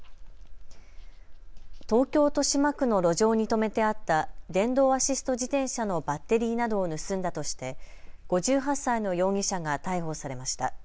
東京豊島区の路上に止めてあった電動アシスト自転車のバッテリーなどを盗んだとして５８歳の容疑者が逮捕されました。